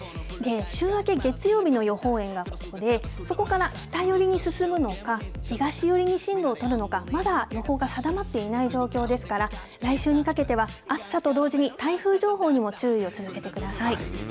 週明け月曜日の予報円がここで、そこから北寄りに進むのか、東寄りに進路を取るのか、まだ予報が定まっていない状況ですから、来週にかけては、暑さと同時に、台風情報にも注意を続けてください。